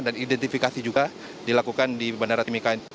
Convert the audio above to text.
dan identifikasi juga dilakukan di bandara timika